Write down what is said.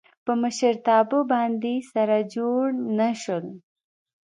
په مشرتابه باندې سره جوړ نه شول.